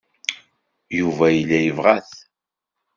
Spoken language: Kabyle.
Yuba yella yebɣa-t.